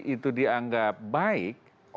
itu dianggap baik